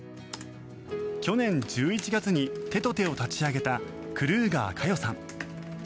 去年１１月に「てとて」を立ち上げたクルーガーカヨさん。